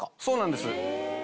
そうなんです。